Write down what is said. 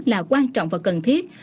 là quan trọng và cần thiết